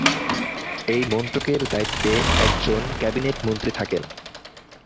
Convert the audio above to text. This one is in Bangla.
এই মন্ত্রকের দায়িত্বে একজন ক্যাবিনেট মন্ত্রী থাকেন।